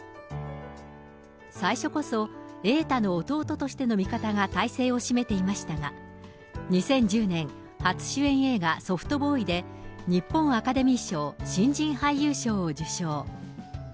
最初こそ、瑛太の弟としての見方が大勢を占めていましたが、２０１０年、初主演映画、ソフトボーイで日本アカデミー賞新人俳優賞を受賞。